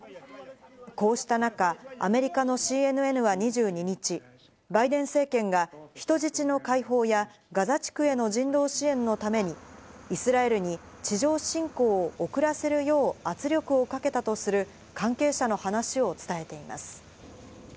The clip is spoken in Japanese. こうした中、アメリカのＣＮＮは２２日、バイデン政権が人質の解放やガザ地区への人道支援のために、イスラエルに地上侵攻を遅らせるよう圧力をかけたとする関係者の話を伝えています。